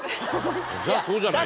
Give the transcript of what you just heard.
じゃあそうじゃないの？